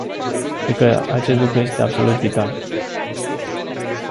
Cred că acest lucru este absolut vital.